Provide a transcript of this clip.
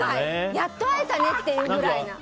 やっと会えたねっていうくらいな。